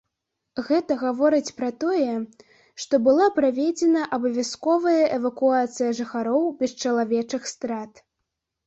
Гэта гаворыць пра тое, што была праведзена абавязковая эвакуацыя жыхароў без чалавечых страт.